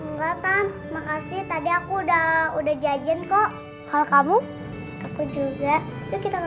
enggakkan makasih tadi aku udah udah jajan kok kalau kamu aku juga ya kita ke